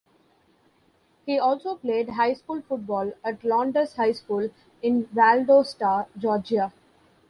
He also played High School Football at Lowndes High School in Valdosta Georgia.